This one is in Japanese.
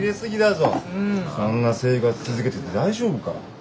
そんな生活続けてて大丈夫か。